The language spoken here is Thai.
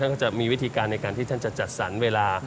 ก็จะมีวิธีการในการที่ท่านจะจัดสรรเวลา